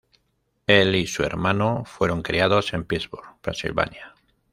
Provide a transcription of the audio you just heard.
Él y su hermano fueron criados en Pittsburgh, Pennsylvania.